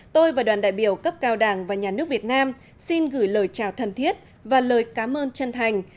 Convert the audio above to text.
tôi và đoàn đại biểu cấp cao đảng và nhà nước việt nam xin gửi lời chào thân thiết và lời cám ơn chân thành